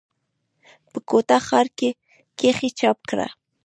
پۀ کوټه ښارکښې چاپ کړه ۔